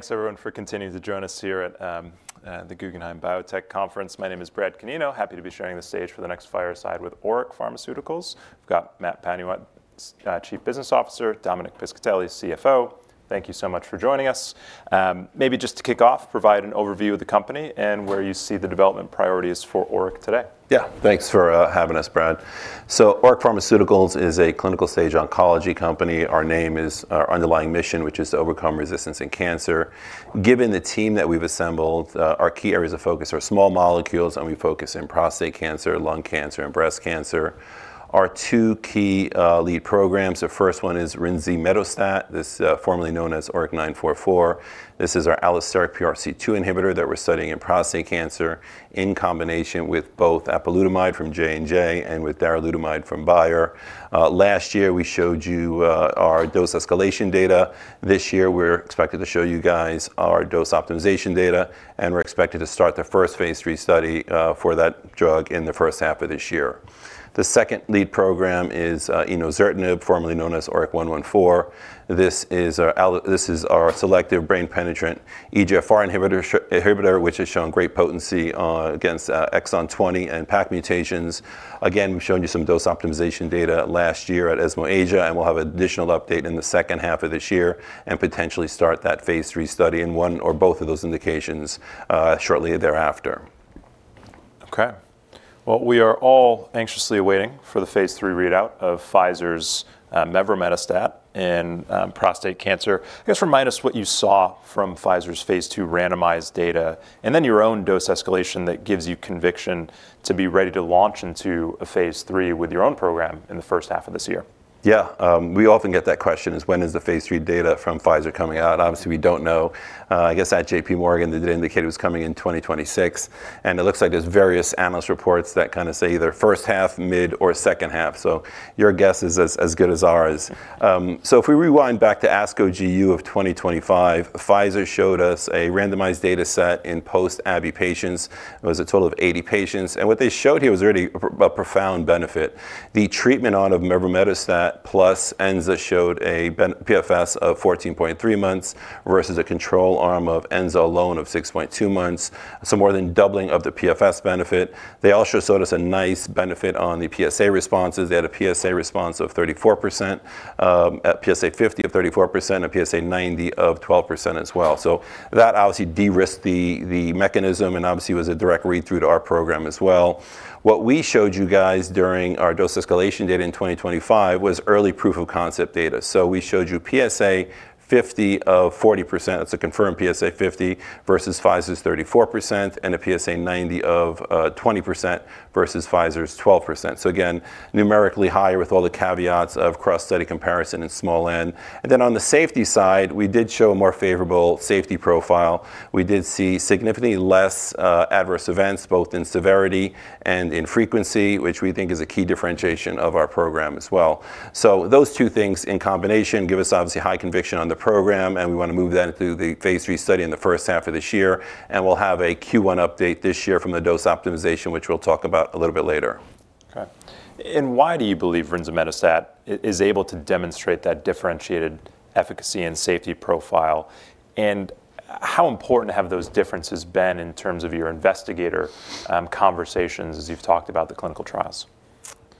Thanks everyone for continuing to join us here at the Guggenheim Biotech Conference. My name is Brad Canino. Happy to be sharing the stage for the next fireside with ORIC Pharmaceuticals. We've got Matt Panuwat, Chief Business Officer, Dominic Piscitelli, CFO. Thank you so much for joining us. Maybe just to kick off, provide an overview of the company and where you see the development priorities for ORIC today. Yeah. Thanks for having us, Brad. ORIC Pharmaceuticals is a clinical-stage oncology company. Our name is our underlying mission, which is to overcome resistance in cancer. Given the team that we've assembled, our key areas of focus are small molecules, and we focus in prostate cancer, lung cancer, and breast cancer. Our two key lead programs, the first one is rinzimetostat, formerly known as ORIC-944. This is our allosteric PRC2 inhibitor that we're studying in prostate cancer in combination with both apalutamide from J&J and with darolutamide from Bayer. Last year, we showed you our dose escalation data. This year, we're expected to show you guys our dose optimization data, and we're expected to start the first phase III study for that drug in the first half of this year. The second lead program is enozertinib, formerly known as ORIC-114. This is our selective brain-penetrant EGFR inhibitor, which has shown great potency against exon 20 and PACC mutations. Again, we've shown you some dose optimization data last year at ESMO Asia, and we'll have additional update in the second half of this year and potentially start that phase III study in one or both of those indications shortly thereafter. Okay. Well, we are all anxiously waiting for the phase III readout of Pfizer's mevrometostat in prostate cancer. I guess remind us what you saw from Pfizer's phase II randomized data, and then your own dose escalation that gives you conviction to be ready to launch into a phase III with your own program in the first half of this year. plus Enza showed a PFS of 14.3 months versus a control arm of Enza alone of 6.2 months, so more than doubling of the PFS benefit. They also showed us a nice benefit on the PSA responses. They had a PSA response of 34%, at PSA 50 of 34%, a PSA 90 of 12% as well. So that obviously de-risked the mechanism, and obviously, was a direct read-through to our program as well. What we showed you guys during our dose escalation data in 2025 was early proof of concept data. So we showed you PSA 50 of 40%, that's a confirmed PSA 50, versus Pfizer's 34%, and a PSA 90 of 20% versus Pfizer's 12%. So again, numerically higher with all the caveats of cross-study comparison in small N. And then, on the safety side, we did show a more favorable safety profile. We did see significantly less adverse events, both in severity and in frequency, which we think is a key differentiation of our program as well. So those two things in combination give us, obviously, high conviction on the program, and we wanna move that into the phase III study in the first half of this year, and we'll have a Q1 update this year from the dose optimization, which we'll talk about a little bit later. Okay. Why do you believe mevrometostat is able to demonstrate that differentiated efficacy and safety profile? How important have those differences been in terms of your investigator conversations as you've talked about the clinical trials?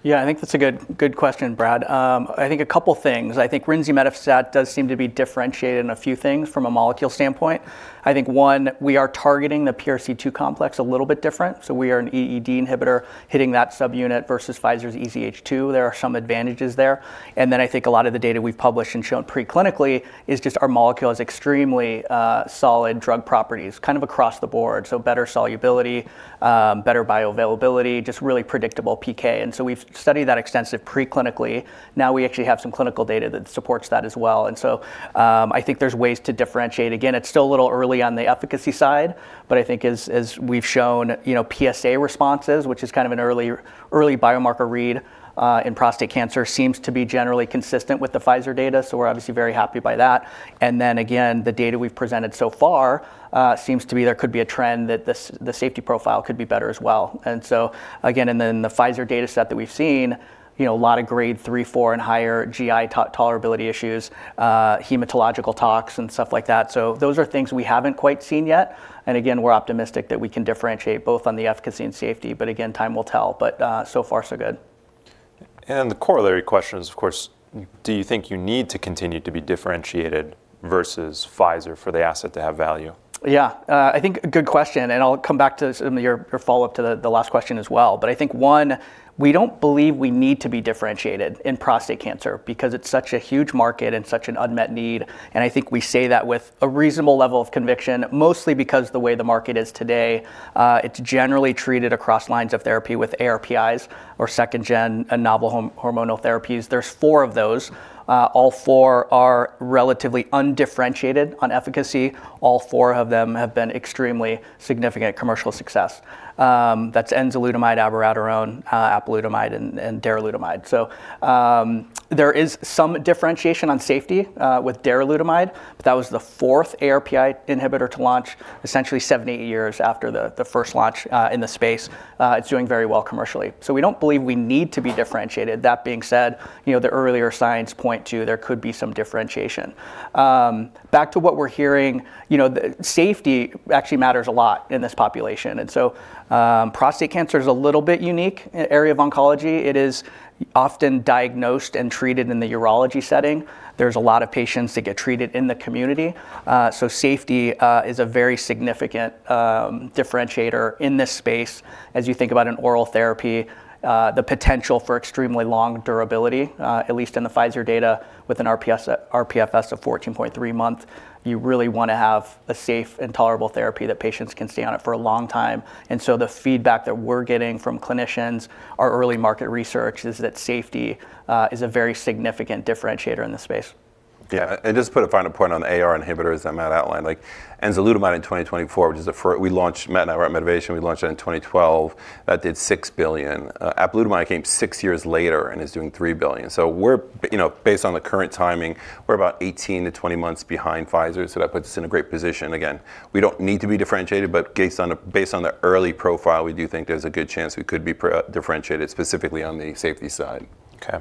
Yeah, I think that's a good, good question, Brad. I think a couple things. I think mevrometostat does seem to be differentiated in a few things from a molecule standpoint. I think, one, we are targeting the PRC2 complex a little bit different, so we are an EED inhibitor hitting that subunit versus Pfizer's EZH2. There are some advantages there. And then, I think a lot of the data we've published and shown preclinically is just our molecule has extremely solid drug properties, kind of across the board, so better solubility, better bioavailability, just really predictable PK, and so we've studied that extensive preclinically. Now, we actually have some clinical data that supports that as well, and so I think there's ways to differentiate. Again, it's still a little early on the efficacy side, but I think as we've shown, you know, PSA responses, which is kind of an early biomarker read in prostate cancer, seems to be generally consistent with the Pfizer data, so we're obviously very happy by that. And then again, the data we've presented so far seems to be there could be a trend that the safety profile could be better as well. And so, again, in the Pfizer dataset that we've seen, you know, a lot of Grade 3, 4, and higher GI tolerability issues, hematological tox, and stuff like that. So those are things we haven't quite seen yet, and again, we're optimistic that we can differentiate both on the efficacy and safety, but again, time will tell. But so far, so good. The corollary question is, of course: Do you think you need to continue to be differentiated versus Pfizer for the asset to have value? Yeah, I think a good question, and I'll come back to this in your, your follow-up to the, the last question as well. But I think, one, we don't believe we need to be differentiated in prostate cancer because it's such a huge market and such an unmet need, and I think we say that with a reasonable level of conviction, mostly because the way the market is today. It's generally treated across lines of therapy with ARPIs or second gen and novel hormonal therapies. There's four of those. All four are relatively undifferentiated on efficacy. All four of them have been extremely significant commercial success. That's enzalutamide, abiraterone, apalutamide, and darolutamide. So, there is some differentiation on safety, with darolutamide, but that was the fourth ARPI inhibitor to launch, essentially 70-80 years after the first launch, in the space. It's doing very well commercially. So we don't believe we need to be differentiated. That being said, you know, the earlier signs point to there could be some differentiation. Back to what we're hearing, you know, the safety actually matters a lot in this population, and so, prostate cancer is a little bit unique area of oncology. It is often diagnosed and treated in the urology setting. There's a lot of patients that get treated in the community, so safety is a very significant differentiator in this space as you think about an oral therapy, the potential for extremely long durability, at least in the Pfizer data, with an rPFS of 14.3 months, you really wanna have a safe and tolerable therapy that patients can stay on it for a long time. And so the feedback that we're getting from clinicians or early market research is that safety is a very significant differentiator in this space. ... Yeah, and just to put a final point on the AR inhibitors that Matt outlined, like enzalutamide in 2024, which is the first—we launched, Matt and I were at Medivation, we launched that in 2012. That did $6 billion. Apalutamide came six years later and is doing $3 billion. So we're, you know, based on the current timing, we're about 18-20 months behind Pfizer, so that puts us in a great position. Again, we don't need to be differentiated, but based on the, based on the early profile, we do think there's a good chance we could be pre-differentiated, specifically on the safety side. Okay.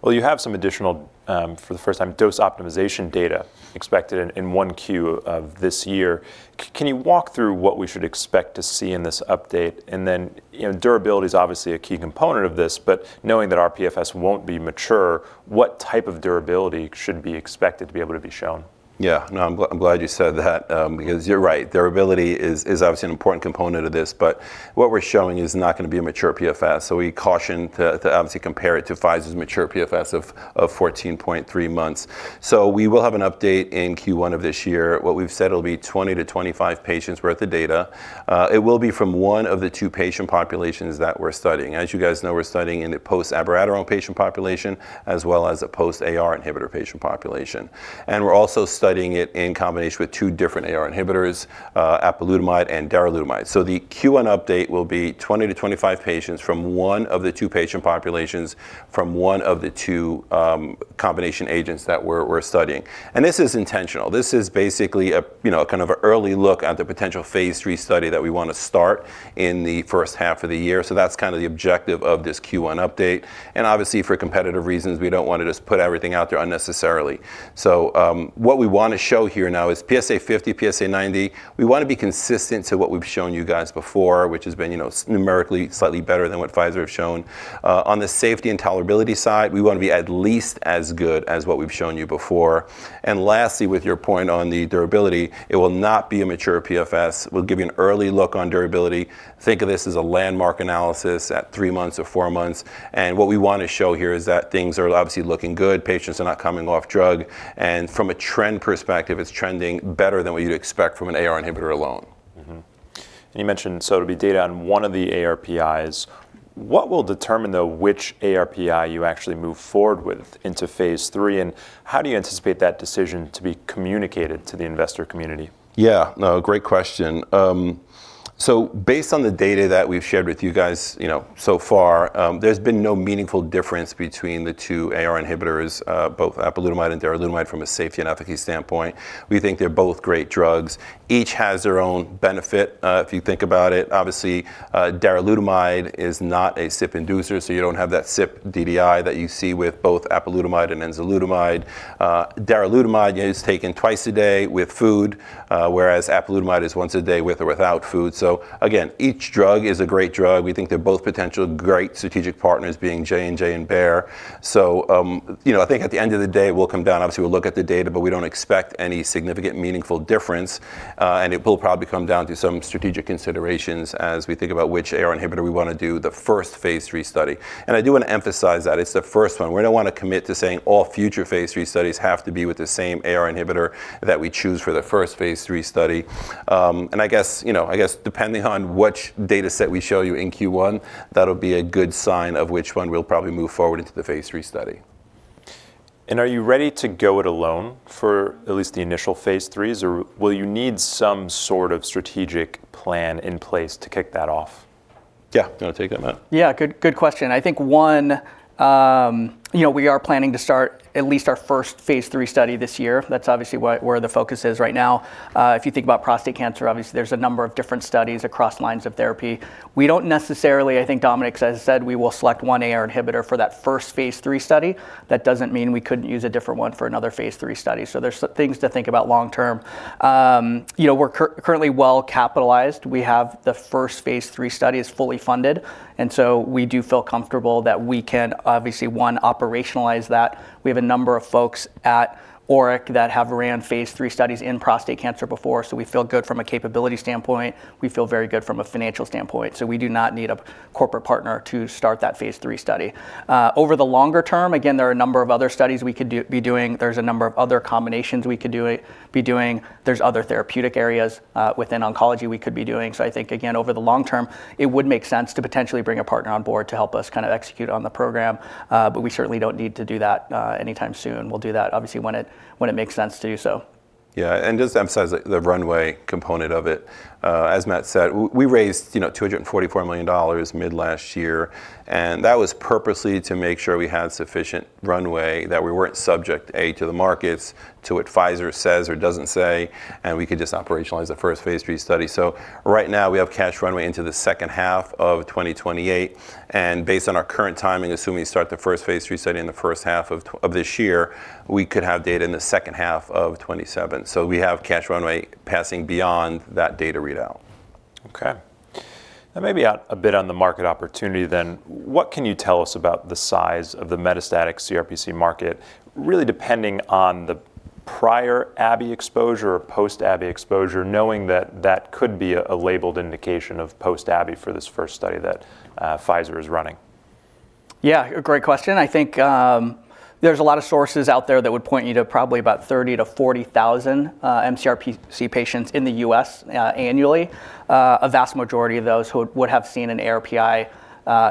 Well, you have some additional, for the first time, dose optimization data expected in 1Q of this year. Can you walk through what we should expect to see in this update? And then, you know, durability is obviously a key component of this, but knowing that our PFS won't be mature, what type of durability should be expected to be able to be shown? Yeah. No, I'm glad you said that, because you're right. Durability is obviously an important component of this, but what we're showing is not going to be a mature PFS. So we caution to obviously compare it to Pfizer's mature PFS of 14.3 months. So we will have an update in Q1 of this year. What we've said, it'll be 20-25 patients worth of data. It will be from one of the two patient populations that we're studying. As you guys know, we're studying in a post-Abiraterone patient population, as well as a post-AR inhibitor patient population. And we're also studying it in combination with two different AR inhibitors, apalutamide and darolutamide. So the Q1 update will be 20-25 patients from one of the two patient populations, from one of the two, combination agents that we're, we're studying. And this is intentional. This is basically a, you know, a kind of an early look at the potential phase III study that we want to start in the first half of the year. So that's kind of the objective of this Q1 update. And obviously, for competitive reasons, we don't want to just put everything out there unnecessarily. So, what we want to show here now is PSA 50, PSA 90. We want to be consistent to what we've shown you guys before, which has been, you know, numerically slightly better than what Pfizer have shown. On the safety and tolerability side, we want to be at least as good as what we've shown you before. Lastly, with your point on the durability, it will not be a mature PFS. We'll give you an early look on durability. Think of this as a landmark analysis at three months or four months. What we want to show here is that things are obviously looking good, patients are not coming off drug, and from a trend perspective, it's trending better than what you'd expect from an AR inhibitor alone. Mm-hmm. And you mentioned, so it'll be data on one of the ARPIs. What will determine, though, which ARPI you actually move forward with into phase III, and how do you anticipate that decision to be communicated to the investor community? Yeah. No, great question. So based on the data that we've shared with you guys, you know, so far, there's been no meaningful difference between the two AR inhibitors, both apalutamide and darolutamide, from a safety and efficacy standpoint. We think they're both great drugs. Each has their own benefit, if you think about it. Obviously, darolutamide is not a CYP inducer, so you don't have that CYP DDI that you see with both apalutamide and enzalutamide. Darolutamide is taken twice a day with food, whereas apalutamide is once a day with or without food. So again, each drug is a great drug. We think they're both potential great strategic partners, being J&J and Bayer. So, you know, I think at the end of the day, it will come down, obviously, we'll look at the data, but we don't expect any significant, meaningful difference. And it will probably come down to some strategic considerations as we think about which AR inhibitor we want to do the first phase III study. And I do want to emphasize that it's the first one. We don't want to commit to saying all future phase III studies have to be with the same AR inhibitor that we choose for the first phase III study. And I guess, you know, I guess depending on which dataset we show you in Q1, that'll be a good sign of which one we'll probably move forward into the phase III study. Are you ready to go it alone for at least the initial phase IIIs, or will you need some sort of strategic plan in place to kick that off? Yeah. You want to take that, Matt? Yeah, good, good question. I think, one, you know, we are planning to start at least our first phase III study this year. That's obviously where the focus is right now. If you think about prostate cancer, obviously, there's a number of different studies across lines of therapy. We don't necessarily... I think Dominic has said we will select one AR inhibitor for that first phase III study. That doesn't mean we couldn't use a different one for another phase III study. So there's some things to think about long term. You know, we're currently well capitalized. We have the first phase III study is fully funded, and so we do feel comfortable that we can obviously, one, operationalize that. We have a number of folks at ORIC that have run phase III studies in prostate cancer before, so we feel good from a capability standpoint. We feel very good from a financial standpoint, so we do not need a corporate partner to start that phase III study. Over the longer term, again, there are a number of other studies we could do, be doing. There's a number of other combinations we could do it, be doing. There's other therapeutic areas, within oncology we could be doing. So I think, again, over the long term, it would make sense to potentially bring a partner on board to help us kind of execute on the program. But we certainly don't need to do that, anytime soon. We'll do that, obviously, when it, when it makes sense to do so. Yeah, and just to emphasize the runway component of it, as Matt said, we raised, you know, $244 million mid-last year, and that was purposely to make sure we had sufficient runway, that we weren't subject, A, to the markets, to what Pfizer says or doesn't say, and we could just operationalize the first phase III study. So right now, we have cash runway into the second half of 2028, and based on our current timing, assuming we start the first phase III study in the first half of this year, we could have data in the second half of 2027. So we have cash runway passing beyond that data readout. Okay. Now, maybe out a bit on the market opportunity then, what can you tell us about the size of the metastatic CRPC market, really depending on the prior Abi exposure or post-Abi exposure, knowing that that could be a labeled indication of post-Abi for this first study that Pfizer is running?... Yeah, a great question. I think, there's a lot of sources out there that would point you to probably about 30,000-40,000 mCRPC patients in the U.S., annually. A vast majority of those who would have seen an ARPI,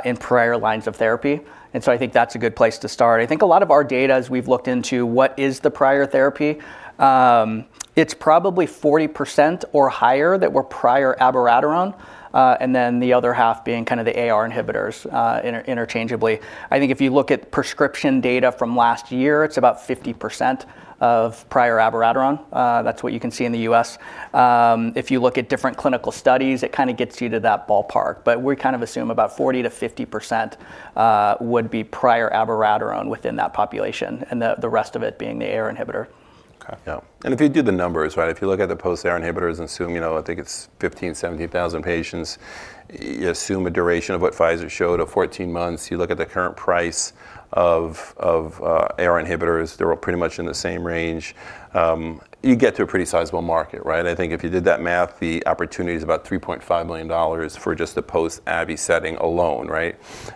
in prior lines of therapy, and so I think that's a good place to start. I think a lot of our data, as we've looked into, what is the prior therapy? It's probably 40% or higher that were prior abiraterone, and then the other half being kind of the AR inhibitors, interchangeably. I think if you look at prescription data from last year, it's about 50% of prior abiraterone. That's what you can see in the U.S.. If you look at different clinical studies, it kinda gets you to that ballpark, but we kind of assume about 40%-50% would be prior abiraterone within that population, and the rest of it being the AR inhibitor. Okay. Yeah. If you do the numbers, right, if you look at the post-AR inhibitors and assume, you know, I think it's 15,000-17,000 patients, you assume a duration of what Pfizer showed of 14 months. You look at the current price of AR inhibitors, they're all pretty much in the same range. You get to a pretty sizable market, right? I think if you did that math, the opportunity is about $3.5 million for just the post-Abi setting alone, right?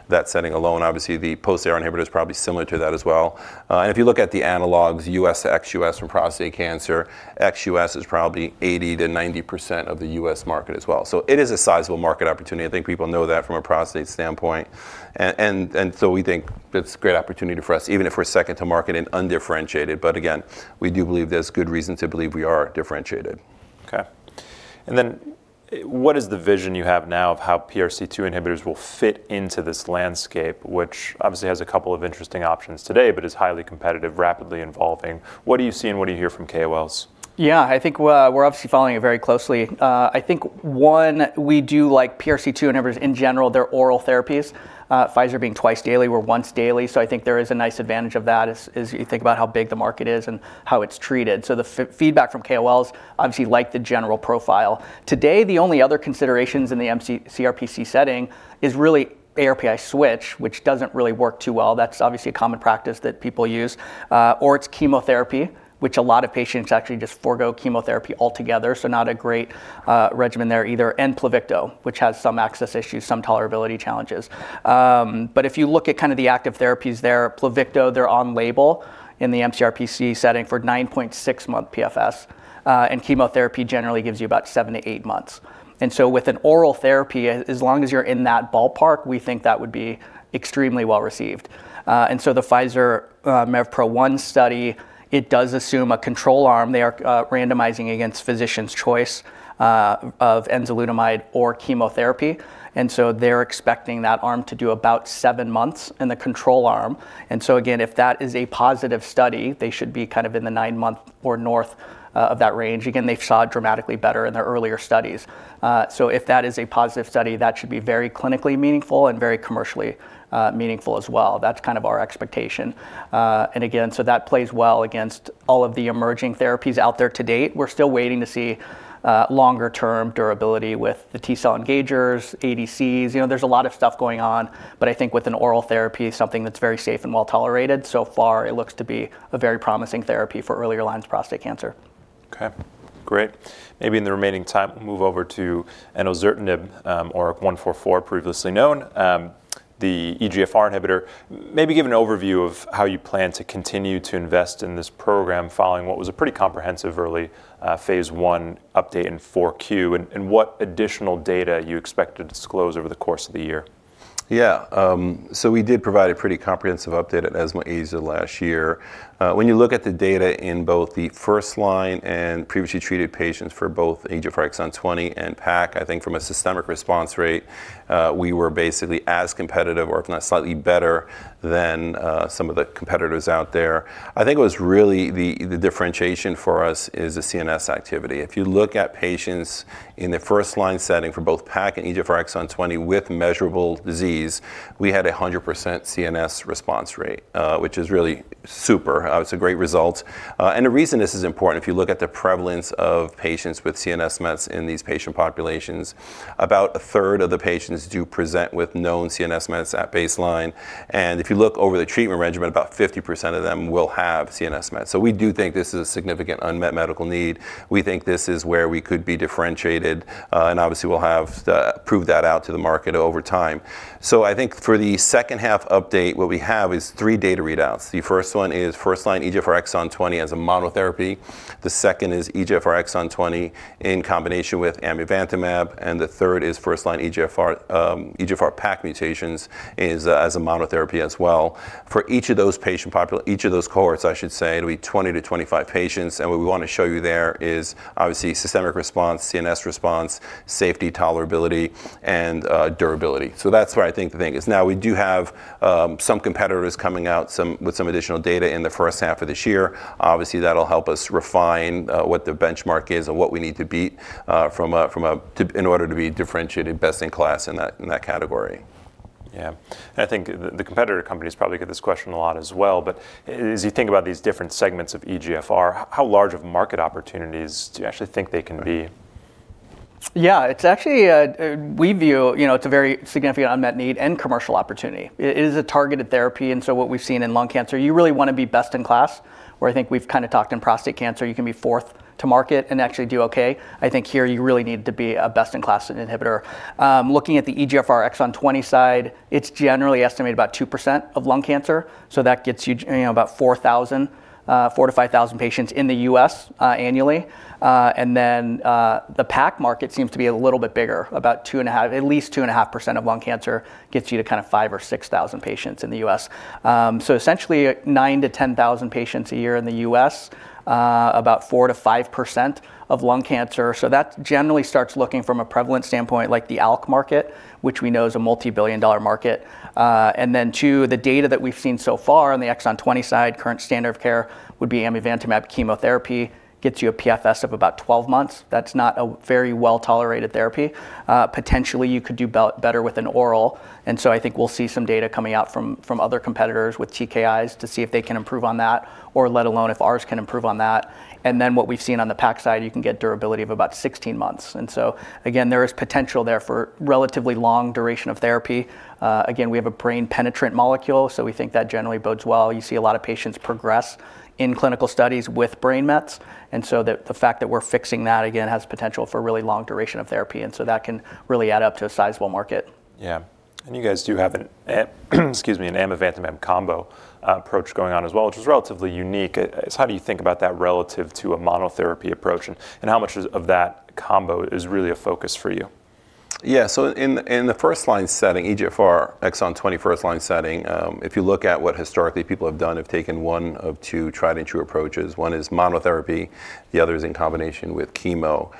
That setting alone, obviously, the post-AR inhibitor is probably similar to that as well. And if you look at the analogues, U.S. to ex-U.S. for prostate cancer, ex-U.S. is probably 80%-90% of the U.S. market as well. So it is a sizable market opportunity. I think people know that from a prostate standpoint. So we think it's a great opportunity for us, even if we're second to market and undifferentiated. But again, we do believe there's good reason to believe we are differentiated. Okay. And then, what is the vision you have now of how PRC2 inhibitors will fit into this landscape, which obviously has a couple of interesting options today, but is highly competitive, rapidly evolving? What do you see and what do you hear from KOLs? Yeah, I think, we're obviously following it very closely. I think one, we do like PRC2 inhibitors in general. They're oral therapies, Pfizer being twice daily, we're once daily, so I think there is a nice advantage of that as you think about how big the market is and how it's treated. So the feedback from KOLs obviously like the general profile. Today, the only other considerations in the mCRPC setting is really ARPI switch, which doesn't really work too well. That's obviously a common practice that people use, or it's chemotherapy, which a lot of patients actually just forgo chemotherapy altogether, so not a great regimen there either, and Pluvicto, which has some access issues, some tolerability challenges. But if you look at kind of the active therapies there, Pluvicto, they're on label in the mCRPC setting for 9.6-month PFS, and chemotherapy generally gives you about seven to eight months. And so with an oral therapy, as long as you're in that ballpark, we think that would be extremely well-received. And so the Pfizer MEVPRO-1 study, it does assume a control arm. They are randomizing against physician's choice of enzalutamide or chemotherapy, and so they're expecting that arm to do about seven months in the control arm. And so again, if that is a positive study, they should be kind of in the nine-month or north of that range. Again, they saw it dramatically better in their earlier studies. So if that is a positive study, that should be very clinically meaningful and very commercially meaningful as well. That's kind of our expectation. And again, so that plays well against all of the emerging therapies out there to date. We're still waiting to see longer-term durability with the T-cell engagers, ADCs. You know, there's a lot of stuff going on, but I think with an oral therapy, something that's very safe and well-tolerated, so far, it looks to be a very promising therapy for earlier lines prostate cancer. Okay, great. Maybe in the remaining time, move over to enozertinib, or ORIC-114, previously known, the EGFR inhibitor. Maybe give an overview of how you plan to continue to invest in this program following what was a pretty comprehensive early, phase I update in 4Q, and, and what additional data you expect to disclose over the course of the year. Yeah, so we did provide a pretty comprehensive update at ESMO Asia last year. When you look at the data in both the first line and previously treated patients for both EGFR exon 20 and PACC, I think from a systemic response rate, we were basically as competitive or if not slightly better than some of the competitors out there. I think it was really the differentiation for us is the CNS activity. If you look at patients in the first line setting for both PACC and EGFR exon 20 with measurable disease, we had a 100% CNS response rate, which is really super. It's a great result. The reason this is important, if you look at the prevalence of patients with CNS mets in these patient populations, about a third of the patients do present with known CNS mets at baseline, and if you look over the treatment regimen, about 50% of them will have CNS mets. We do think this is a significant unmet medical need. We think this is where we could be differentiated, and obviously, we'll have to prove that out to the market over time. I think for the second-half update, what we have is three data readouts. The first one is first-line EGFR exon 20 as a monotherapy. The second is EGFR exon 20 in combination with amivantamab, and the third is first-line EGFR, EGFR PACC mutations is, as a monotherapy as well. For each of those patient popula-- each of those cohorts, I should say, it'll be 20-25 patients, and what we wanna show you there is obviously systemic response, CNS response, safety, tolerability, and durability. So that's where I think the thing is. Now, we do have some competitors coming out with some additional data in the first half of this year. Obviously, that'll help us refine what the benchmark is and what we need to beat from a... to in order to be differentiated, best-in-class in that category. Yeah. I think the competitor companies probably get this question a lot as well, but as you think about these different segments of EGFR, how large of market opportunities do you actually think they can be? ... Yeah, it's actually, we view, you know, it's a very significant unmet need and commercial opportunity. It is a targeted therapy, and so what we've seen in lung cancer, you really wanna be best in class, where I think we've kind of talked in prostate cancer, you can be fourth to market and actually do okay. I think here you really need to be a best-in-class inhibitor. Looking at the EGFR exon 20 side, it's generally estimated about 2% of lung cancer, so that gets you, you know, about 4,000, 4,000 to 5,000 patients in the U.S., annually. And then, the PACC market seems to be a little bit bigger, about 2.5-- at least 2.5% of lung cancer gets you to kind of 5,000 or 6,000 patients in the U.S. So essentially, 9,000-10,000 patients a year in the U.S., about 4%-5% of lung cancer. So that generally starts looking from a prevalent standpoint, like the ALK market, which we know is a multi-billion dollar market. And then two, the data that we've seen so far on the exon 20 side, current standard of care would be amivantamab chemotherapy, gets you a PFS of about 12 months. That's not a very well-tolerated therapy. Potentially, you could do better with an oral, and so I think we'll see some data coming out from other competitors with TKIs to see if they can improve on that, or let alone if ours can improve on that. And then what we've seen on the PACC side, you can get durability of about 16 months. And so, again, there is potential there for relatively long duration of therapy. Again, we have a brain-penetrant molecule, so we think that generally bodes well. You see a lot of patients progress in clinical studies with brain mets, and so the fact that we're fixing that again has potential for really long duration of therapy, and so that can really add up to a sizable market. Yeah. And you guys do have an amivantamab combo approach going on as well, which is relatively unique. So how do you think about that relative to a monotherapy approach? And how much of that combo is really a focus for you? Yeah. So in the first line setting, EGFR exon 20 first line setting, if you look at what historically people have done, have taken one of two tried-and-true approaches. One is monotherapy, the other is in combination with chemo.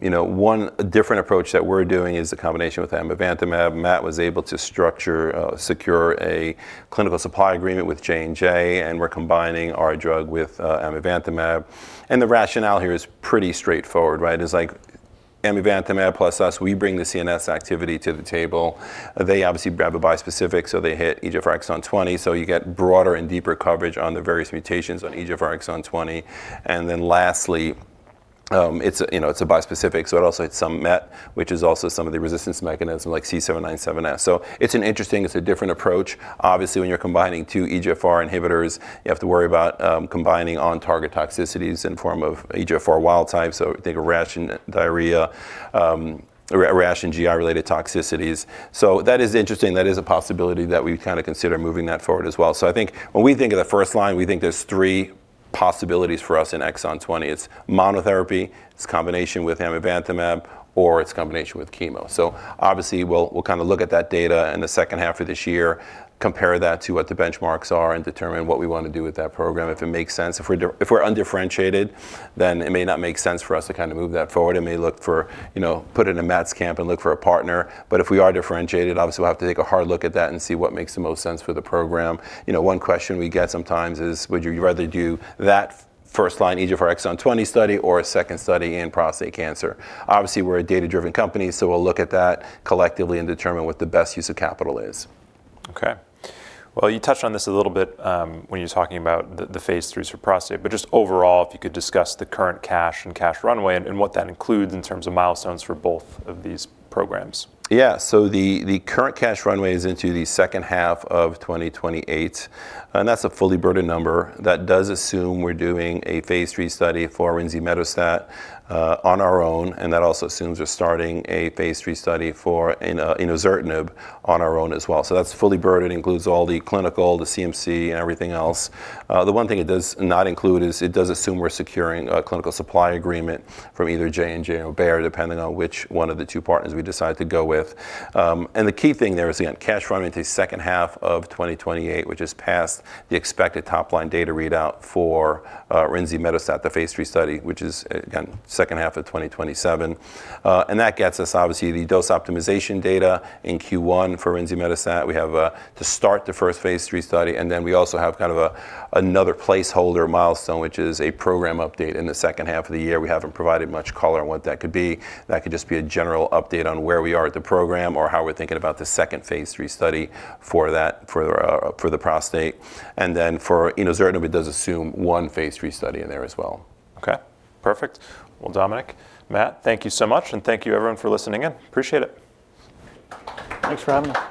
You know, one different approach that we're doing is the combination with amivantamab. Matt was able to structure, secure a clinical supply agreement with J&J, and we're combining our drug with amivantamab. And the rationale here is pretty straightforward, right? It's like amivantamab plus us, we bring the CNS activity to the table. They obviously grab a bispecific, so they hit EGFR exon 20, so you get broader and deeper coverage on the various mutations on EGFR exon 20. And then lastly, you know, it's a bispecific, so it also, it's some MET, which is also some of the resistance mechanism, like C797S. So it's an interesting, it's a different approach. Obviously, when you're combining two EGFR inhibitors, you have to worry about combining on-target toxicities in form of EGFR wild type, so think of rash and diarrhea, rash and GI-related toxicities. So that is interesting. That is a possibility that we've kinda consider moving that forward as well. So I think when we think of the first line, we think there's three possibilities for us in exon 20. It's monotherapy, it's combination with amivantamab, or it's combination with chemo. So obviously, we'll, we'll kinda look at that data in the second half of this year, compare that to what the benchmarks are, and determine what we want to do with that program. If it makes sense, if we're undifferentiated, then it may not make sense for us to kinda move that forward. It may look for, you know, put it in Matt's camp and look for a partner. But if we are differentiated, obviously, we'll have to take a hard look at that and see what makes the most sense for the program. You know, one question we get sometimes is: Would you rather do that first-line EGFR exon 20 study or a second study in prostate cancer? Obviously, we're a data-driven company, so we'll look at that collectively and determine what the best use of capital is. Okay. Well, you touched on this a little bit, when you were talking about the phase III for prostate, but just overall, if you could discuss the current cash and cash runway and what that includes in terms of milestones for both of these programs? Yeah. The current cash runway is into the second half of 2028, and that's a fully burdened number that does assume we're doing a phase III study for rinzimetostat on our own, and that also assumes we're starting a phase III study for enozertinib on our own as well. That's fully burdened, includes all the clinical, the CMC, and everything else. The one thing it does not include is it does assume we're securing a clinical supply agreement from either J&J or Bayer, depending on which one of the two partners we decide to go with. The key thing there is, again, cash runway into second half of 2028, which is past the expected top-line data readout for rinzimetostat, the phase III study, which is, again, second half of 2027. and that gets us, obviously, the dose optimization data in Q1 for rinzimetostat. We have to start the first phase III study, and then we also have kind of a, another placeholder milestone, which is a program update in the second half of the year. We haven't provided much color on what that could be. That could just be a general update on where we are at the program or how we're thinking about the second phase III study for that, for the prostate, and then for enozertinib, it does assume one phase III study in there as well. Okay, perfect. Well, Dominic, Matt, thank you so much, and thank you, everyone, for listening in. Appreciate it. Thanks for having me.